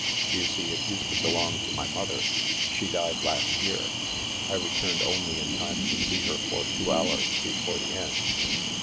You see, it used to belong to my mother. She died last year. I returned only in time to see her for two hours before the end."